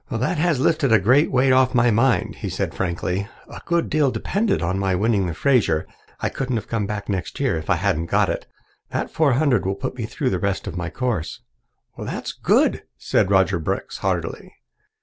"That has lifted a great weight off my mind," he said frankly. "A good deal depended on my winning the Fraser. I couldn't have come back next year if I hadn't got it. That four hundred will put me through the rest of my course." "That's good," said Roger Brooks heartily.